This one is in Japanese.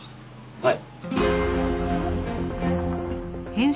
はい。